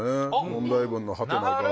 問題文のハテナが。